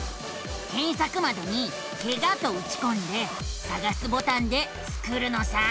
けんさくまどに「ケガ」とうちこんでさがすボタンでスクるのさ！